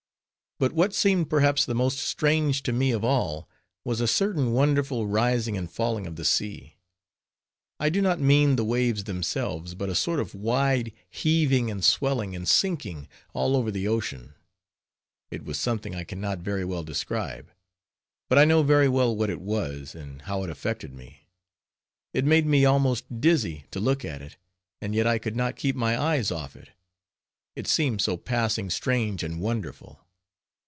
But what seemed perhaps the most strange to me of all, was a certain wonderful rising and falling of the sea; I do not mean the waves themselves, but a sort of wide heaving and swelling and sinking all over the ocean. It was something I can not very well describe; but I know very well what it was, and how it affected me. It made me almost dizzy to look at it; and yet I could not keep my eyes off it, it seemed so passing strange and wonderful.